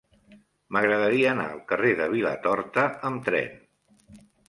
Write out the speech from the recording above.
M'agradaria anar al carrer de Vilatorta amb tren.